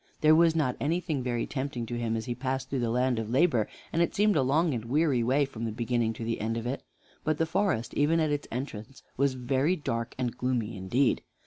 There was not anything very tempting to him as he passed through the land of Labor, and it seemed a long and weary way from the beginning to the end of it. But the forest, even at its entrance, was very dark and gloomy indeed.